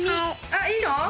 あっいいの？